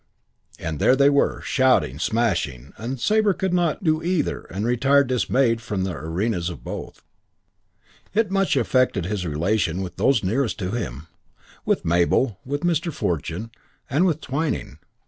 And there they were, shouting, smashing; and Sabre could not do either and retired dismayed from the arenas of both. CHAPTER II I It much affected his relations with those nearest to him, with Mabel, with Mr. Fortune, and with Twyning.